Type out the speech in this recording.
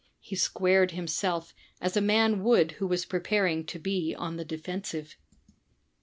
He squared himself as a man would who was preparing to be on the defensive.